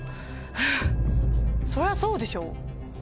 そりゃそうでしょ。